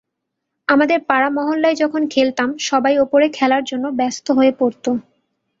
আমাদের পাড়া-মহল্লায় যখন খেলতাম, সবাই ওপরে খেলার জন্য ব্যস্ত হয়ে পড়ত।